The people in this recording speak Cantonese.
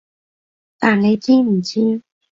但你知唔知？